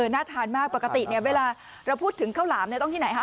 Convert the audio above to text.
น่าทานมากปกติเนี่ยเวลาเราพูดถึงข้าวหลามต้องที่ไหนคะ